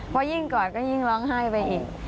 พอยิ่งกอดก็ยิ่งร้องไห้ไปอีก